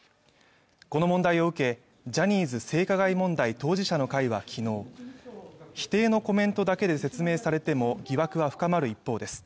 この問題を受けジャニーズ性加害問題当事者の会は昨日否定のコメントだけで説明されても疑惑は深まる一方です